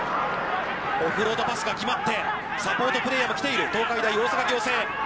オフロードパスが決まって、サポートプレーヤーも来ている、東海大大阪仰星。